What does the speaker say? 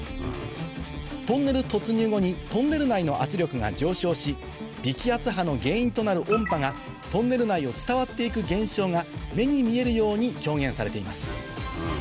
トンネル突入後にトンネル内の圧力が上昇し微気圧波の原因となる音波がトンネル内を伝わって行く現象が目に見えるように表現されています